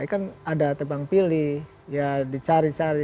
kan ada tebang pilih ya dicari cari